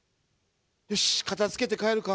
よし片づけて帰るか。